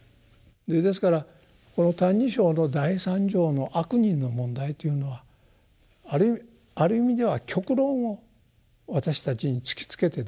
ですからこの「歎異抄」の第三条の悪人の問題というのはあるある意味では極論を私たちに突きつけてですね